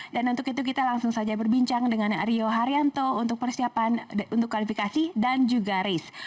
dan untuk itu kita langsung saja berbincang dengan rio haryanto untuk persiapan untuk kualifikasi dan juga race